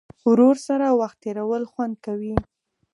ورور سره وخت تېرول خوند کوي.